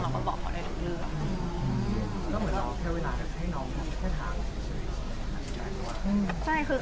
เราก็บอกเขาได้ทุกเรื่อง